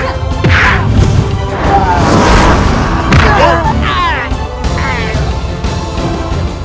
ini senyap powerful